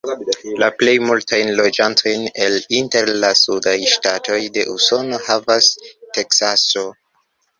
La plej multajn loĝantojn el inter la sudaj ŝtatoj de Usono havas Teksaso.